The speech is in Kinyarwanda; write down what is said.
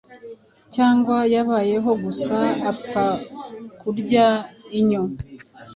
Cyangwa yabayeho gusa apfa kurya inyo?